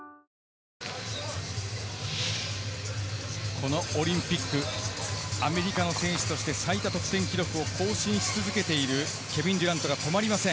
このオリンピック、アメリカの選手として最多得点記録を更新し続けているケビン・デュラントが止まりません。